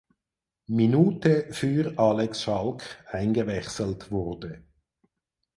Minute für Alex Schalk eingewechselt wurde.